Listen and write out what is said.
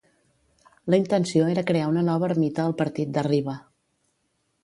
La intenció era crear una nova ermita al partit d'Arriba.